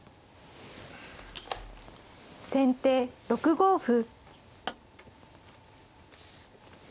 先手６五歩。